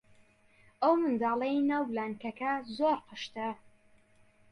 ئەو منداڵەی ناو لانکەکە زۆر قشتە.